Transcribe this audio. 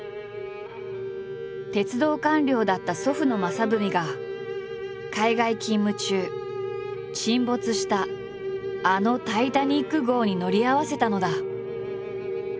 鉄道官僚だった祖父の正文が海外勤務中沈没したあのタイタニック号に乗り合わせたのだ。